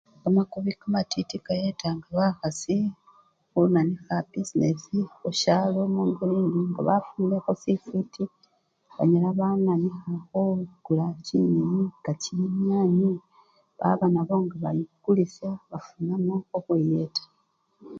Kamakobi kamatiti kayetanga bakhasi khunanikha bisinesi khusyalo ne! mu! nga bafunilekho sifwiti banyala bananikha khukula chinyenyi nga chinyanye baba nabo nga bayi! kulisya bafunamo khukhwiyeta.